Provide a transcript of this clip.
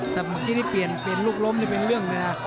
แต่เมื่อกี้นี่เปลี่ยนลูกล้มเป็นเรื่องนะครับ